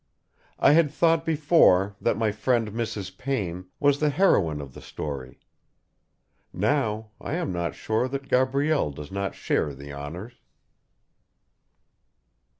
I had thought before that my friend Mrs. Payne was the heroine of the story. Now I am not sure that Gabrielle does not share the honours.